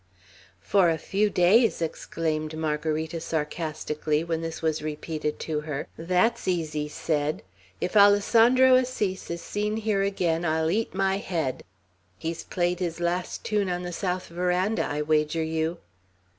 "For a few days!" exclaimed Margarita, sarcastically, when this was repeated to her. "That's easy said! If Alessandro Assis is seen here again, I'll eat my head! He's played his last tune on the south veranda, I wager you."